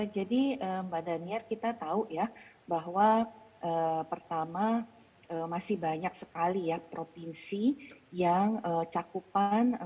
jadi mbak daniar kita tahu ya bahwa pertama masih banyak sekali ya provinsi yang cakupan